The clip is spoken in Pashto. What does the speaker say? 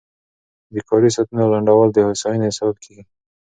د کاري ساعتونو لنډول د هوساینې سبب کېږي.